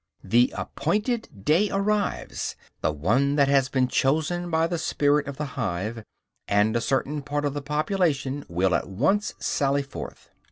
The appointed day arrives, the one that has been chosen by the "spirit of the hive"; and a certain part of the population will at once sally forth.